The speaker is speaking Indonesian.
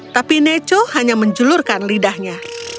tapi neco hanya menjelurkan lidahnya